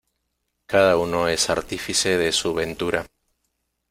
Cada uno es artífice de su ventura.